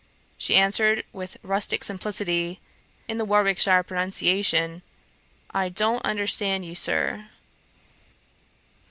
She answered with rustick simplicity, in the Warwickshire pronunciation, 'I don't understand you, Sir.'